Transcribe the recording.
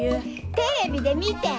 テレビで見てん！